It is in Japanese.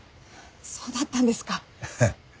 そうだったんですか。